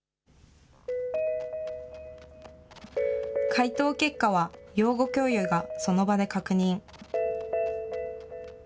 回答結果は、養護教諭がその場で確認。